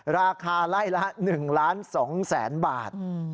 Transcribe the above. ราคาไร่ละ๑๒๐๐๐๐๐บาท